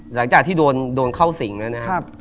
หลังจากที่โดนเข้าสิงแล้วนะครับ